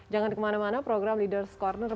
jangan kemana mana program leaders' corner